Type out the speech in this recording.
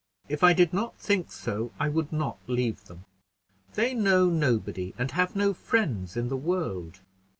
If I did not think so, I would not leave them. They know nobody, and have no friends in the world.